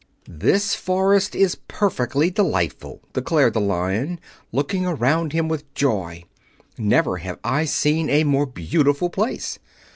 "This forest is perfectly delightful," declared the Lion, looking around him with joy. "Never have I seen a more beautiful place."